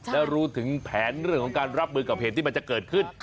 และรู้ถึงแผนเรื่องของการรับมือกับเหตุที่มันจะเกิดขึ้น